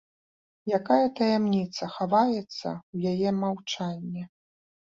Якая таямніца хаваецца ў яе маўчанні?